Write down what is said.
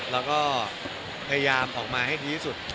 แล้วก็พยายามออกมาให้ดีที่สุด